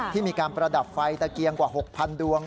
ที่มีการประดับไฟตะเกียงกว่า๖๐๐ดวง